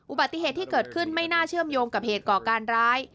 อุบัติเหตุที่เกิดขึ้นไม่น่าเชื่อมโยงกับเหตุก่อการร้าย